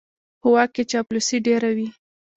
په واک کې چاپلوسي ډېره وي.